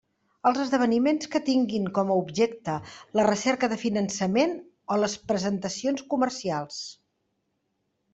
Els esdeveniments que tinguin com a objecte la recerca de finançament o les presentacions comercials.